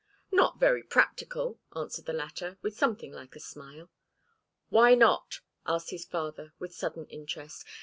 "Not very practical," answered the latter, with something like a smile. "Why not?" asked his father, with sudden interest.